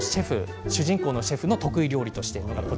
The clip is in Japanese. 主人公のシェフの得意料理です。